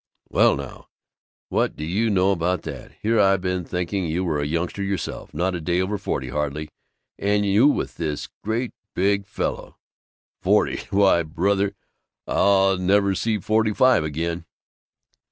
"Well now, what do you know about that! Here I been thinking you were a youngster yourself, not a day over forty, hardly, and you with this great big fellow!" "Forty? Why, brother, I'll never see forty five again!"